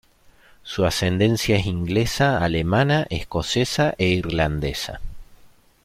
Su ascendencia es inglesa, alemana, escocesa e irlandesa.